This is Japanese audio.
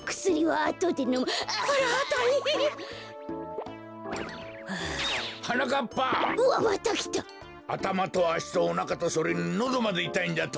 あたまとあしとおなかとそれにのどまでいたいんじゃと！？